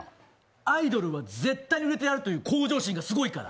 アイドルは絶対売れてやるという向上心がすごいから。